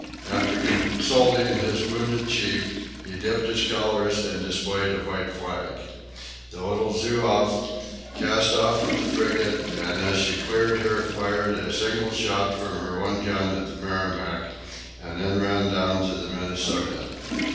After consulting his wounded chief he dipped his colours and displayed a white flag. The little "Zouave" cast off from the frigate, and as she cleared her, fired a single shot from her one gun at the "Merrimac," and then ran down to the "Minnesota."